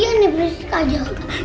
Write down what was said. iya ini bersih aja